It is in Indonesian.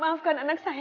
soul kebanyakan biasanya